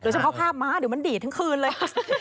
หรือเฉพาะภาพไม้เดี๋ยวมันดีตั้งคืนเลย